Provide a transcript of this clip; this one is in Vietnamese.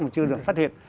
mà chưa được phát hiện